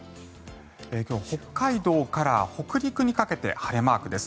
今日、北海道から北陸にかけて晴れマークです。